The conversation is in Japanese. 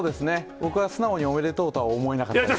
僕は素直におめでとうとは思えなかったです。